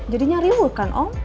jadinya riwuh kan om